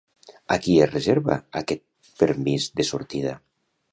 A qui es reserva aquest permís de sortida?